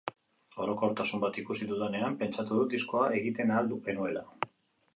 Orokortasun bat ikusi dudanean, pentsatu dut diskoa egiten ahal genuela.